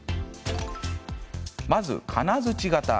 まず金づち型。